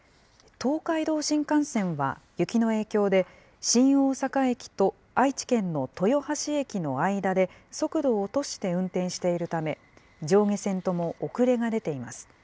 東海道新幹線は雪の影響で、新大阪駅と愛知県の豊橋駅の間で速度を落として運転しているため、上下線とも遅れが出ています。